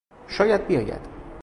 شاید بیاید.